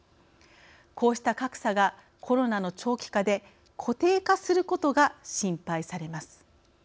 こうした格差がコロナの長期化で固定化することが心配されます。